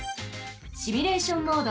シミュレーション・モード。